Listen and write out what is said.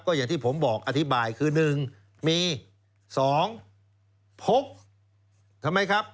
อย่างที่ผมบอกอธิบายคือ๑มี๒พกทำไมครับ